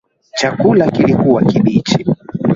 Chakula kilikuwa kibichi